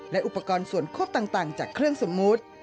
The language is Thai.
และอุปกรณ์ส่วนควบต่างจากเครื่องสมมุติ